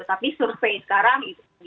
tapi survei sekarang